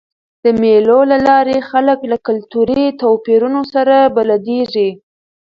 د مېلو له لاري خلک له کلتوري توپیرونو سره بلدیږي.